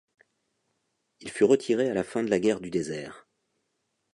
Il fut retiré à la fin de la guerre du désert.